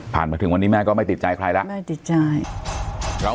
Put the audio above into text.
ผ่านมาถึงวันนี้แม่ก็ไม่ติดใจใครละ